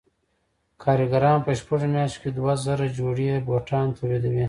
کارګران په شپږو میاشتو کې دوه زره جوړې بوټان تولیدوي